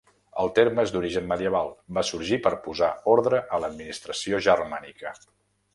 El terme és d'origen medieval, va sorgir per posar ordre a l'administració germànica.